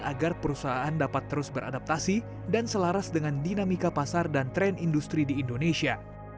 agar perusahaan dapat terus beradaptasi dan selaras dengan dinamika pasar dan tren industri di indonesia